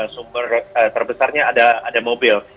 sumber terbesarnya adalah mobil